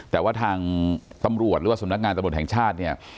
แต่ว่าทางตำรวจหรือว่าสำนักงานตำรวจแห่งชาติเนี่ย